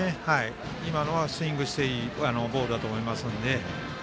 今のはスイングしていいボールだと思いますので。